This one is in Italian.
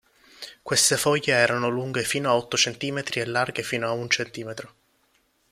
Queste foglie erano lunghe fino a otto centimetri e larghe fino a un centimetro.